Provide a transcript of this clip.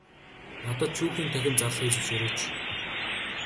Надад шүүхийн танхим зарлахыг зөвшөөрөөч.